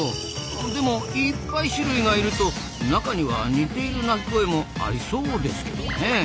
でもいっぱい種類がいると中には似ている鳴き声もありそうですけどねえ。